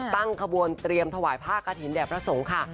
ตั้งขบวนเตรียมถวายผ้ากระถิ่นแด่พระสงฆ์ค่ะ